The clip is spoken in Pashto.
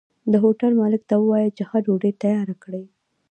د هوټل مالک ته ووايه چې ښه ډوډۍ تياره کړي